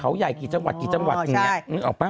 ไม่ได้เป็นผู้เก็บ